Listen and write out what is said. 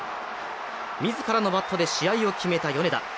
自らのバットで試合を決めた米田。